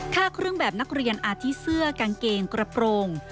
เครื่องแบบนักเรียนอาทิตยเสื้อกางเกงกระโปรง